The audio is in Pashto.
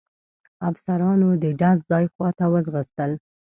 افسرانو د ډز ځای خواته وځغستل.